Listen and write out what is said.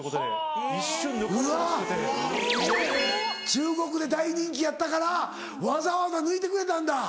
中国で大人気やったからわざわざ抜いてくれたんだ。